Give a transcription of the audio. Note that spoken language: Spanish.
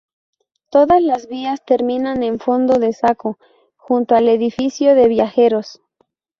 Todas las vías terminan en fondo de saco junto al edificio de viajeros.